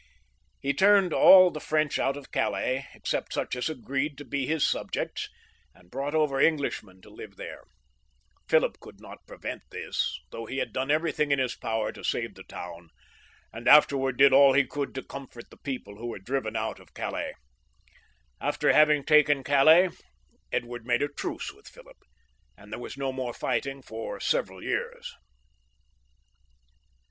He turned all the French out of Calais, except such as agreed jbo be his subjects, and brought over Englishmen to live there, Philip could not prevent this, though he had done everything in his power to save the town, and afterwards did all he could to comfort the people who were driven out of Calais. After having taken Calais, Edward made a truce with Philip, and there was no more fighting for several years.